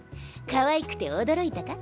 かわいくて驚いたか？